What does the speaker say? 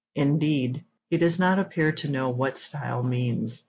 Indeed, he does not appear to know what style means.